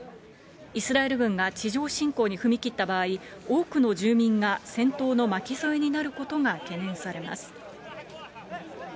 イスラエル軍が地上侵攻に踏み切った場合、多くの住民が戦闘の巻き添えになることが懸念されます。